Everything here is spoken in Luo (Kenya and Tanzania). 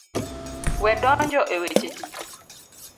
We donjo e weche ji.